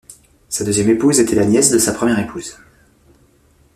Sa deuxième épouse était la nièce de sa première épouse.